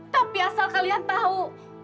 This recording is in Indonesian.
tapi asal kalian tahu